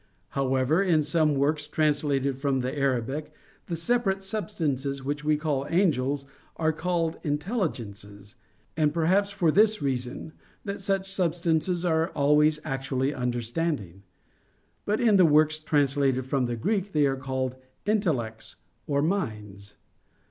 However, in some works translated from the Arabic, the separate substances which we call angels are called "intelligences," and perhaps for this reason, that such substances are always actually understanding. But in works translated from the Greek, they are called "intellects" or "minds."